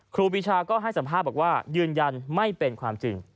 ครูปีชาก็ให้สัมภาษณ์บอกว่ายืนยันไม่เป็นความจริง